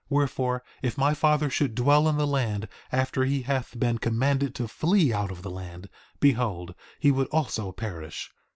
Wherefore, if my father should dwell in the land after he hath been commanded to flee out of the land, behold, he would also perish.